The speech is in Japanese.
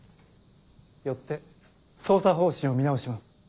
よって捜査方針を見直します。